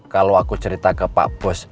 kalau aku cerita ke pak bus